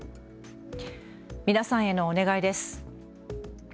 皆さんへのお願いです。